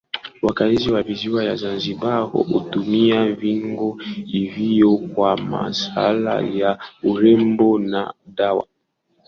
Wakaazi wa visiwa vya zanzibar hutumia viungo hivyo kwa maswala ya urembo na dawa